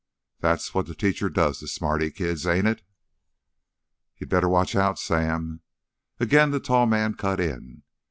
That's what th' teacher does to smarty kids, ain't it?" "You'd better watch out, Sam." Again the tall man cut in.